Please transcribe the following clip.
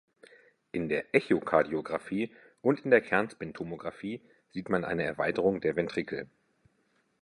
In der Echokardiographie und in der Kernspintomographie sieht man eine Erweiterung der Ventrikel.